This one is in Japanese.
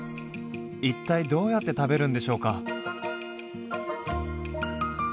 一体どうやって食べるんでしょうか？